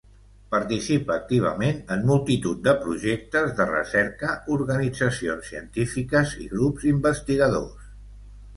Participa activament en multitud de projectes de recerca, organitzacions científiques i grups investigadors.